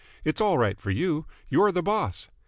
It's all right for you. You're the boss.